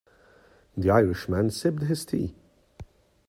The Irish man sipped his tea.